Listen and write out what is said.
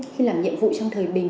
khi làm nhiệm vụ trong thời bình